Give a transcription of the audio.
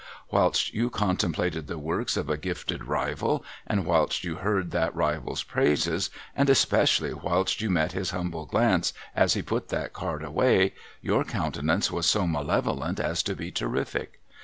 Whilst you contemplated the works of a gifted rival, and whilst you heard that rival's praises, and especially whilst you met his humble glance as he put that card away, your countenance was so malevolent as to be terrific.